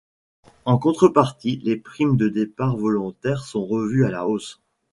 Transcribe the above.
En contrepartie, les primes de départ volontaire sont revues à la hausse.